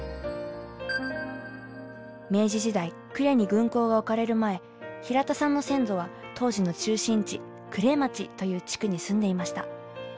明治時代呉に軍港が置かれる前平田さんの先祖は当時の中心地呉町という地区に住んでいました。